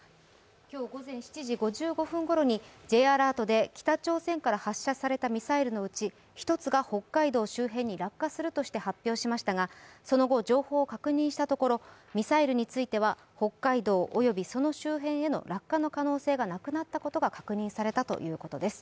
今日午前７時５５分ごろに北朝鮮から発射されたミサイルの一つが北海道周辺に落下するとみられ発表されましたがその後、情報を確認したところミサイルについては北海道及びその周辺への落下の可能性がなくなったということが確認されたということです。